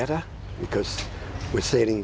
กับพระเจ้าราชริง